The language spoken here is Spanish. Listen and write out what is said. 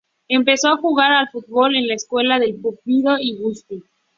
Empezó a jugar al fútbol en la Escuela de Pumpido y Giusti.